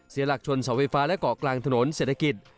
หลักชนเสาไฟฟ้าและเกาะกลางถนนเศรษฐกิจ